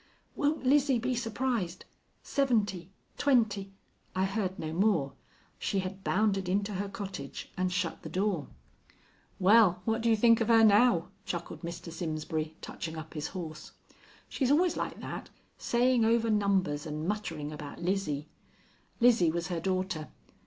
Won't Lizzie be surprised! Seventy; twenty " I heard no more she had bounded into her cottage and shut the door. "Waal, what do you think of her now?" chuckled Mr. Simsbury, touching up his horse. "She's always like that, saying over numbers, and muttering about Lizzie. Lizzie was her daughter.